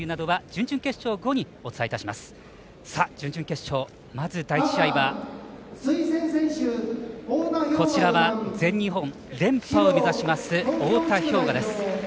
準々決勝、まず第１試合は全日本連覇を目指します太田彪雅です。